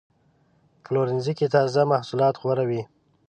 په پلورنځي کې تازه محصولات غوره وي.